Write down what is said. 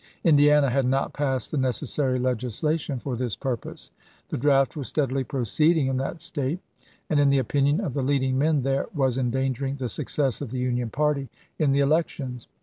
Indiana had not passed the necessary legislation for this purpose. The draft was steadily proceeding in that State, and, in the opinion of the leading men there, was endangering the success of the Union party in the elections.